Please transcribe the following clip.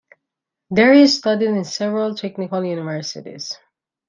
There he studied in several technical universities.